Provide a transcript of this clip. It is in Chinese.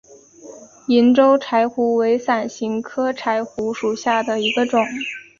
银州柴胡为伞形科柴胡属下的一个种。